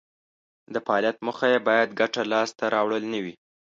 د فعالیت موخه یې باید ګټه لاس ته راوړل نه وي.